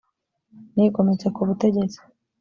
nigometse ku butegetsi